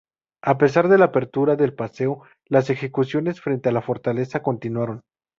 A pesar de la apertura del paseo, las ejecuciones frente a la fortaleza continuaron.